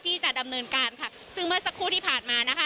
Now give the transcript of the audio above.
ที่จะดำเนินการค่ะซึ่งเมื่อสักครู่ที่ผ่านมานะคะ